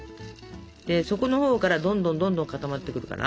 底のほうからどんどんどんどん固まってくるから。